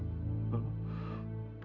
aku sudah berusaha untuk menguruskan kamu